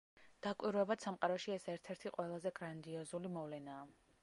დაკვირვებად სამყაროში ეს ერთ-ერთი ყველაზე გრანდიოზული მოვლენაა.